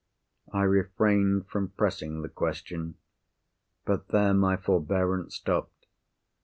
I refrained from pressing the question. But there my forbearance stopped.